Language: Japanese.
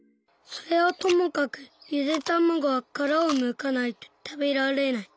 それはともかくゆでたまごはカラをむかないとたべられない。